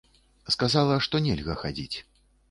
Сказала, што нельга хадзіць.